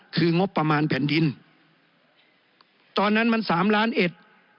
คืองบประมาณแผ่นดินตอนนั้นมันสามล้านเอ็ด